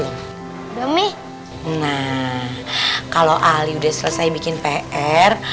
nah kalau ali udah selesai bikin pr